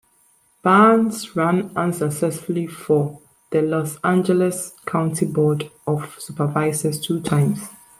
Barnes ran unsuccessfully for the Los Angeles County Board of Supervisors two times.